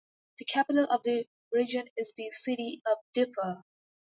The capital of the region is the city of Diffa.